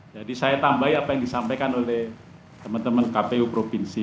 jadi saya tambahin apa yang disampaikan oleh teman teman kpu provinsi